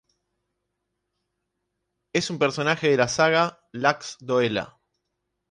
Es un personaje de la "saga de Laxdœla".